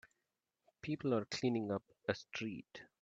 People are cleaning up a street.